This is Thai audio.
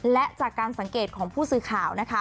และจากการสังเกตของผู้สื่อข่าวนะคะ